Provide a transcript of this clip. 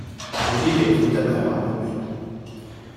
佢 D 皮膚真係滑捋捋